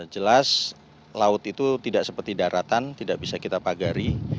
jelas laut itu tidak seperti daratan tidak bisa kita pagari